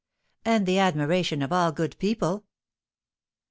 "And the admiration of all good people."